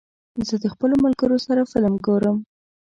زه د خپلو ملګرو سره فلم ګورم.